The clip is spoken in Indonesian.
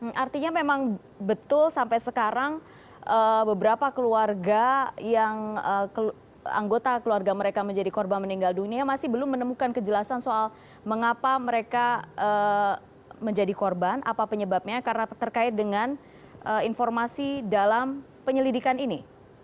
oke artinya memang betul sampai sekarang beberapa keluarga yang anggota keluarga mereka menjadi korban meninggal dunia masih belum menemukan kejelasan soal mengapa mereka menjadi korban apa penyebabnya karena terkait dengan informasi dalam penyelidikan ini